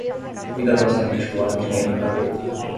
Cuidadosamente coloque o dinheiro na gaveta